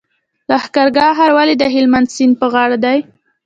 لښکرګاه ښار ولې د هلمند سیند په غاړه دی؟